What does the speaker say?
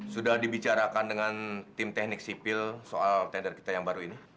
sudah dibicarakan dengan tim teknik sipil soal tender kita yang baru ini